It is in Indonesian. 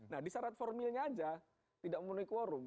nah di syarat formilnya aja tidak memenuhi quorum